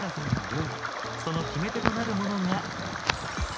その決め手となるモノが。